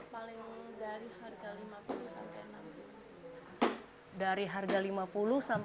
paling dari harga rp lima puluh rp enam puluh